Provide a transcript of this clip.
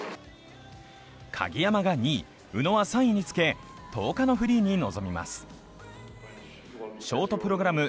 鍵山が２位、宇野は３位につけ、１０日のフリーに臨みます。